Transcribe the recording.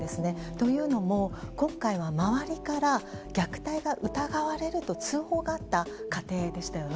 というのも今回は周りから虐待が疑われると通報があった家庭でしたよね。